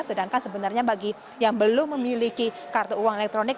sedangkan sebenarnya bagi yang belum memiliki kartu uang elektronik